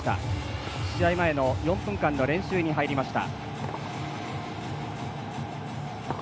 試合前の４分間の練習に入りました。